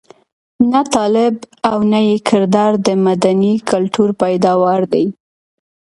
نه طالب او نه یې کردار د مدني کلتور پيداوار دي.